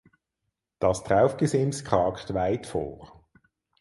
Das Traufgesims kragt weit vor.